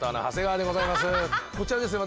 こちらですね